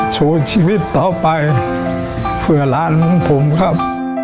สู้ชีวิตต่อไปเพื่อหลานของผมครับ